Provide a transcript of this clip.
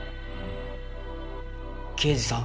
刑事さん。